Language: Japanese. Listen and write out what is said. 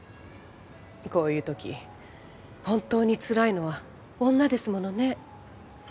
こういう時本当につらいのは女ですものね